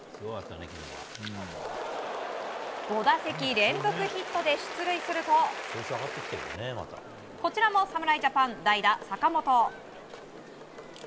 ５打席連続ヒットで出塁するとこちらも侍ジャパン代打、坂本。